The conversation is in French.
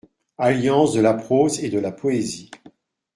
Alliance de la prose et de la poésie.